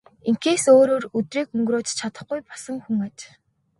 Ингэхээс өөрөөр өдрийг өнгөрөөж чадахгүй болсон хүн аж.